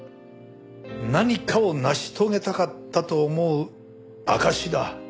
何かを成し遂げたかったと思う証しだ。